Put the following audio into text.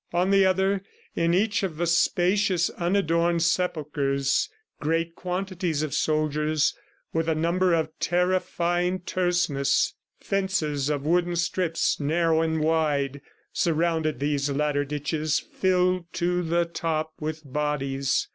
On the other, in each of the spacious, unadorned sepulchres, great quantities of soldiers, with a number of terrifying terseness. Fences of wooden strips, narrow and wide, surrounded these latter ditches filled to the top with bodies.